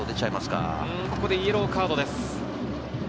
ここでイエローカードです。